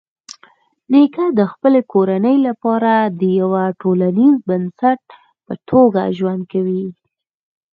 نیکه د خپلې کورنۍ لپاره د یوه ټولنیز بنسټ په توګه ژوند کوي.